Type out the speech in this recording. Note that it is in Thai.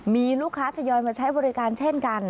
มีลูกค้าทยอยมาใช้บริการเช่นกัน